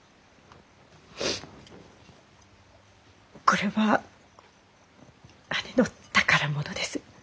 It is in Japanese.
これは姉の宝物です。